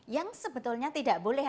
yang sebetulnya tidak boleh